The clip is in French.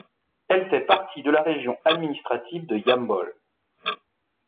Elle fait partie de la région administrative de Yambol.